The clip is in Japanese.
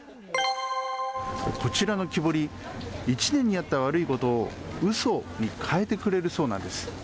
こちらの木彫り、１年にあった悪いことをうそにかえてくれるそうなんです。